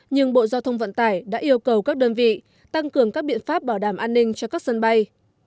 nhưng bộ giao thông vận tải đã yêu cầu các đơn vị tăng cường các biện pháp bảo đảm an ninh cho các sân bay